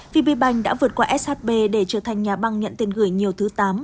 vb bank đã vượt qua shb để trở thành nhà băng nhận tiền gửi nhiều thứ tám